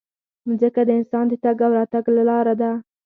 مځکه د انسان د تګ او راتګ لاره ده.